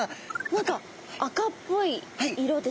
何か赤っぽい色ですね。